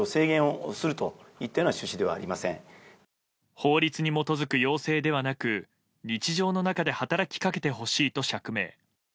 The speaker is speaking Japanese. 法律に基づく要請ではなく日常の中で働きかけてほしいと釈明。